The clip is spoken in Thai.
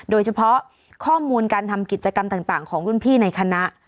โดยเฉพาะข้อมูลการทำกิจกรรมต่างของรุ่นพี่ในคณะ